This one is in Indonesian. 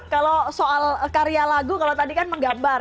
kalau soal karya lagu kalau tadi kan menggambar